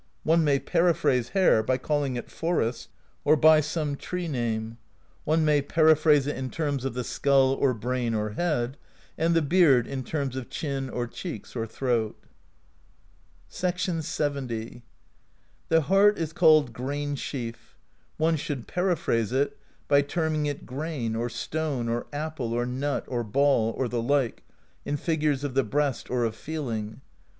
[One may periphrase hair by calling it Forest, or by some tree name; one may periphrase it in terms of the skull or brain or head; and the beard in terms of chin or cheeks or throat.] LXX. "The heart is called grain sheaf; [one should peri phrase it by terming it Grain or Stone or Apple or Nut or Ball, or the like, in figures of the breast or of feeling.